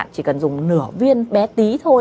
chỉ cần dùng nửa viên bé tí thôi